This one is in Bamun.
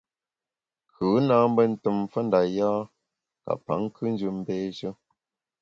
Kù na mbe tùm mfe nda yâ ka pa nkùnjù mbééshe.